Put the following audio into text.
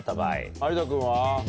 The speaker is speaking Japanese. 有田君は？